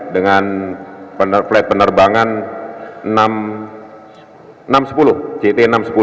dengan flight penerbangan ct enam ratus sepuluh